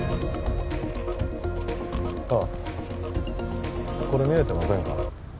ああこれ見えてませんか？